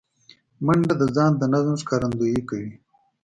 منډه د ځان د نظم ښکارندویي کوي